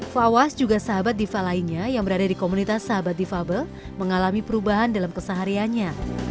fawaz juga sahabat diva lainnya yang berada di komunitas sahabat difabel mengalami perubahan dalam kesehariannya